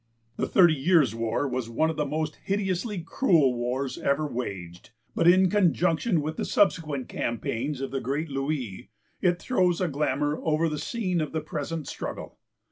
The Thirty Years' War was one of the most hideously cruel wars ever waged, but, in conjunction with the subsequent campaigns of the Great Louis, it throws a glamour over the scene of the present struggle.